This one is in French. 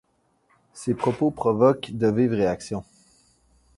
Ces propos provoquent de vives réactions.